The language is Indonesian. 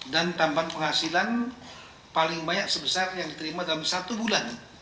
dan tambahan penghasilan paling banyak sebesar yang diterima dalam satu bulan